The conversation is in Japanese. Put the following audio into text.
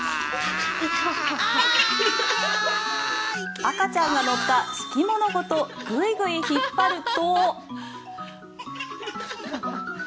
赤ちゃんが乗った敷物ごとグイグイ引っ張ると。